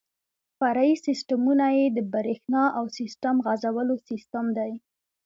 فرعي سیسټمونه یې د بریښنا او سیسټم غځولو سیستم دی.